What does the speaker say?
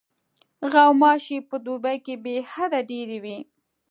غوماشې په دوبي کې بېحده ډېرې وي.